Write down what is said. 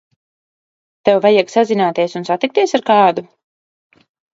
Tev vajag sazināties un satikties ar kādu?